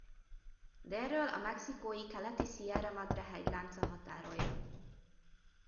Délről a mexikói Keleti-Sierra Madre hegylánca határolja.